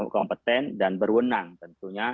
kompeten dan berwenang tentunya